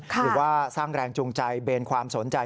หรือว่าสร้างแรงจูงใจเบนความสนใจ